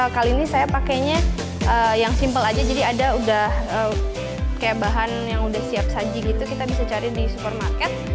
kali ini saya pakainya yang simple aja jadi ada udah kayak bahan yang udah siap saji gitu kita bisa cari di supermarket